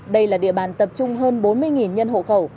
đây là địa bàn tập trung hơn bốn mươi nhân hộ khẩu